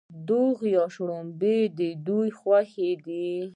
دوغ یا شړومبې د دوی خوښ دي.